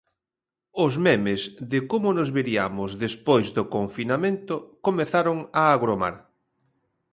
Os memes de como nos veriamos despois do confinamento comezaron a agromar.